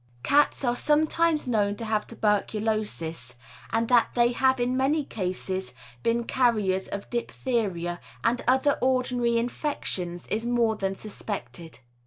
Cats are sometimes known to have tuberculosis, and that they have in many cases been carriers of diphtheria and other ordinary infections is more than suspected.